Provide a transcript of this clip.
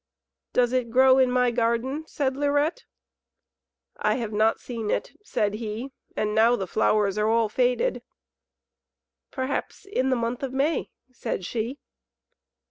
"Does it grow in my garden?" said Lirette. "I have not seen it," said he, "and now the flowers are all faded." "Perhaps in the month of May?" said she.